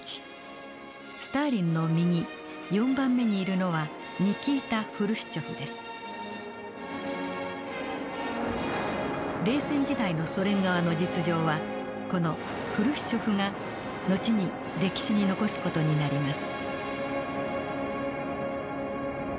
スターリンの右４番目にいるのは冷戦時代のソ連側の実情はこのフルシチョフが後に歴史に残す事になります。